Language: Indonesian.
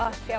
oh siap oke